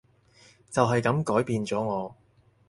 就係噉改變咗我